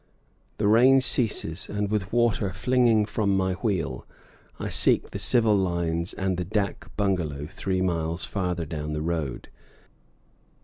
The rain ceases, and, with water flinging from my wheel, I seek the civil lines and the dak bungalow three miles farther down the road.